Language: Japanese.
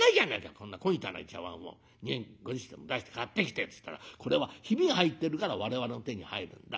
こんな小汚い茶わんを２円５０銭も出して買ってきて』っつったら『これはヒビが入ってるから我々の手に入るんだ。